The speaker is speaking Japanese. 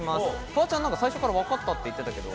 フワちゃん、最初からわかったって言ってたけど。